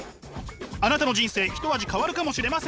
あなたの人生一味変わるかもしれません！